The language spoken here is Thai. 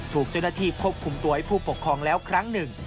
ถูกเจ้าหน้าที่ควบคุมตัวให้ผู้ปกครองแล้วครั้งหนึ่ง